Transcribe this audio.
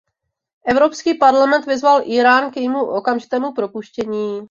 Evropský parlament vyzval Írán k jejímu okamžitému propuštění.